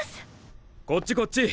こっちこっち！